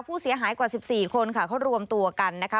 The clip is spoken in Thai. ผู้เสียหายกว่า๑๔คนค่ะเขารวมตัวกันนะคะ